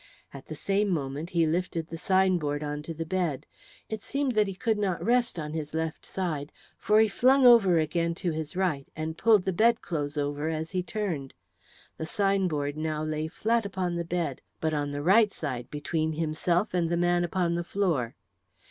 At the same moment he lifted the white sign board onto the bed. It seemed that he could not rest on his left side, for he flung over again to his right and pulled the bedclothes over as he turned. The sign board now lay flat upon the bed, but on the right side between himself and the man upon the floor.